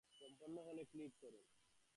তবু আমি নেহাত সাদাসিধেভাবেই ঘটনাটি বলে যাব।